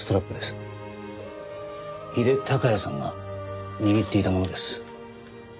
井手孝也さんが握っていたものです。